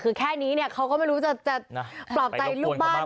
คือแค่นี้เขาก็ไม่รู้จะปลอบใจลูกบ้าน